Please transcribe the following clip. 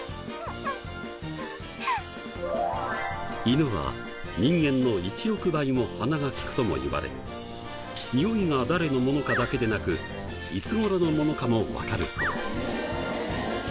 犬は人間の１億倍も鼻が利くともいわれにおいが誰のものかだけでなくいつ頃のものかもわかるそう。